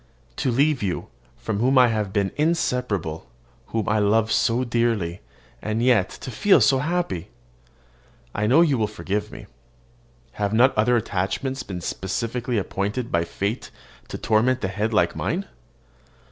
To leave you, from whom I have been inseparable, whom I love so dearly, and yet to feel happy! I know you will forgive me. Have not other attachments been specially appointed by fate to torment a head like mine?